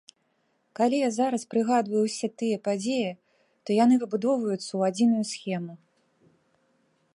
Калі я зараз прыгадваю ўсе тыя падзеі, то яны выбудоўваюцца ў адзіную схему.